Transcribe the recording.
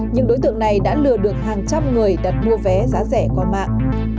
nhưng đối tượng này đã lừa được hàng trăm người đặt mua vé giá rẻ qua mạng